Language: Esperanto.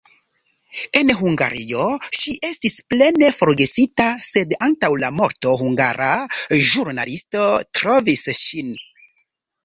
En Hungario ŝi estis plene forgesita, sed antaŭ la morto hungara ĵurnalisto trovis ŝin.